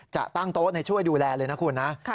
จะตั้งโต๊ะช่วยดูแลเลยนะคุณนะ